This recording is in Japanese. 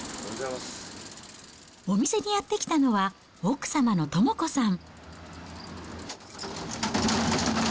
お店にやって来たのは、奥様の智子さん。